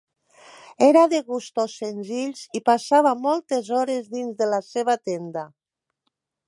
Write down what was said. Era de gustos senzills i passava moltes hores dins de la seva tenda.